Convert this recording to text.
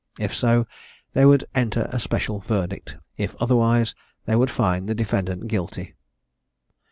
If so, they would enter a special verdict; if otherwise they would find the defendant guilty.